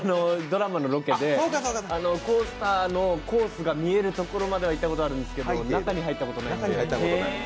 ドラマのロケで、コースターのコースが見えるところまでは行ったことあるんですけど、中に入ったことないんで。